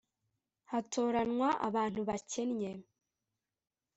hatoranywa abantu bakennye